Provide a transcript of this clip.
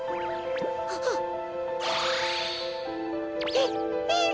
えっえっ！？